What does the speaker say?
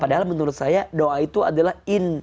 padahal menurut saya doa itu adalah